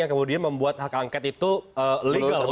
yang kemudian membuat hak angket itu legal